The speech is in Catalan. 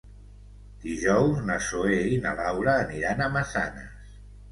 Dijous na Zoè i na Laura aniran a Massanes.